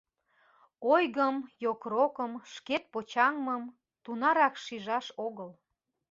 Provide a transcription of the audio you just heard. Ойгым, йокрокым, шкет почаҥмым тунарак шижаш огыл.